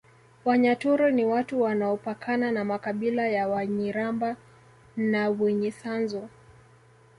Wanyaturu ni watu wanaopakana na makabila ya Wanyiramba na Winyisanzu